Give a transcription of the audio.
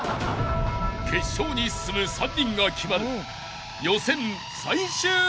［決勝に進む３人が決まる］